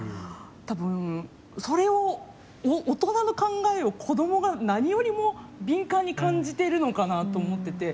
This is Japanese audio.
多分、それを、大人の考えを子どもが何よりも敏感に感じてるのかなと思ってて。